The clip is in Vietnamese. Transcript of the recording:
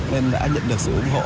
nên đã nhận được sự ủng hộ